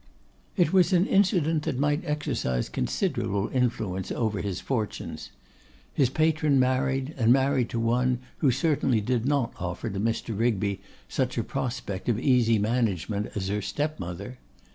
It was an incident that might exercise considerable influence over his fortunes. His patron married, and married to one who certainly did not offer to Mr. Rigby such a prospect of easy management as her step mother!